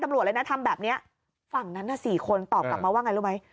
ตำรวจเลยน่ะทำแบบเนี้ยฝั่งนั้นน่ะสี่คนตอบกลับมาว่าไงรู้ไหม